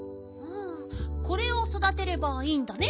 これをそだてればいいんだね。